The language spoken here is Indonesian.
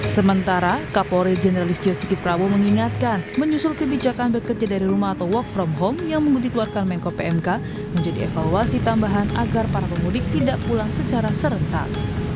sementara kapolri jenderal istio sikiprawo mengingatkan menyusul kebijakan bekerja dari rumah atau work from home yang dikeluarkan menko pmk menjadi evaluasi tambahan agar para pemudik tidak pulang secara serentak